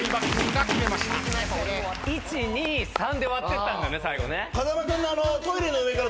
１２３で割ってったんだね最後ね。